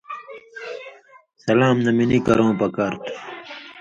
سلام نہ مِنیۡ کرؤں پکار تھو۔